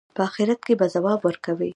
په آخرت کې به ځواب ورکوي.